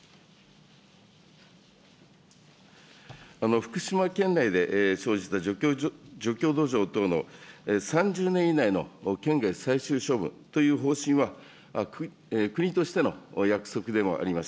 福島県内で生じた除去土壌等の３０年以内の県外最終処分という方針は国としての約束でもあります。